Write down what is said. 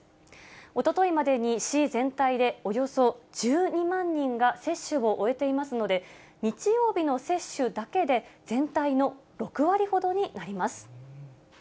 おとといまでに、市全体でおよそ１２万人が接種を終えていますので、日曜日の接種だけで全体の６割ほどになります。